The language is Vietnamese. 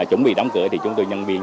chuẩn bị đóng cửa thì chúng tôi nhân viên